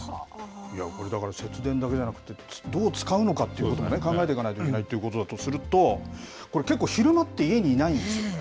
いや、これだから、節電だけじゃなくてどう使うのかということも考えていかないといけないということだとすると、これ、けっこう、昼間って家にいないんですよね。